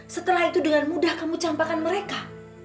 setelah itu dengan mudah kamu campakkan mereka